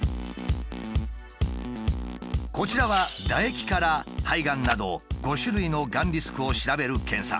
こちらは唾液から肺がんなど５種類のがんリスクを調べる検査。